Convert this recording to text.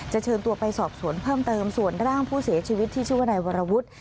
เชิญตัวไปสอบสวนเพิ่มเติมส่วนร่างผู้เสียชีวิตที่ชื่อว่านายวรวุฒิ